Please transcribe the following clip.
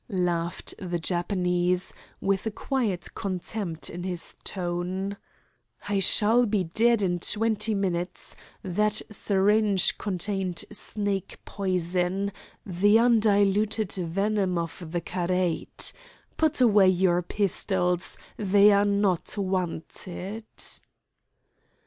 laughed the Japanese, with a quiet contempt in his tone; "I shall be dead in twenty minutes. That syringe contained snake poison, the undiluted venom of the karait. Put away your pistols. They are not wanted."